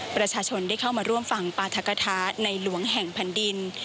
ประชาชนได้เข้ามาร่วมฟังปราธกฐาในหลวงแห่งแผ่นดิน